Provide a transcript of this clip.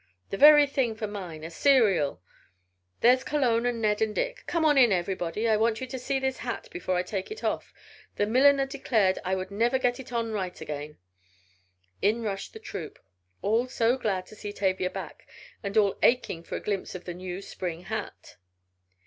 "The very thing for mine a serial. There's Cologne and Ned and Dick! Come on in, everybody! I want you all to see this hat before I take it off. The milliner declared I would never get it on right again." In rushed the "troop," all so glad to see Tavia back, and all aching for a glimpse of the new spring hat.